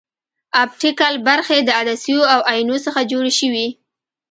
اپټیکل برخې د عدسیو او اینو څخه جوړې شوې.